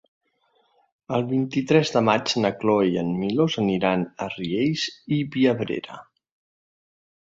El vint-i-tres de maig na Cloè i en Milos aniran a Riells i Viabrea.